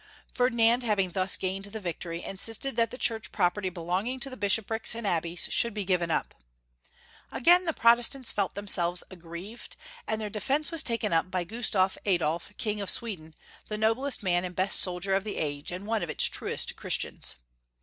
Ferdinand, having thus gained the victory, insis ted that the Church property belonging to bishop rics and abbeys should be given up. Again the Protestants felt themselves aggrieved, and their defence was taken up by Gustaf Adolf, King of Sweden, the noblest man and best soldier of the age, and one of its truest Cliristians.